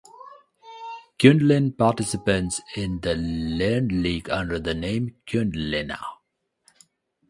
Quindlen participates in LearnedLeague under the name "QuindlenA".